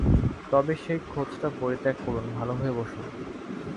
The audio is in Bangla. তবে সেই খোঁজটা পরিত্যাগ করুন, ভালো হয়ে বসুন।